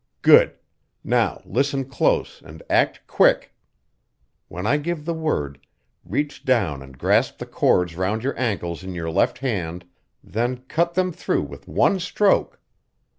"Good! Now listen close and act quick. When I give the word reach down and grasp the cords round your ankles in your left hand, then cut them through with one stroke.